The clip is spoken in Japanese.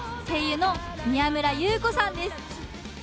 声優の宮村優子さんです